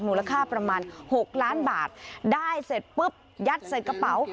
มูลค่าประมาณหกล้านบาทได้เสร็จปุ๊บยัดใส่กระเป๋า